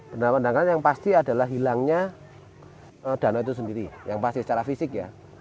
benar benar yang pasti adalah hilangnya danau itu sendiri yang pasti secara fisik ya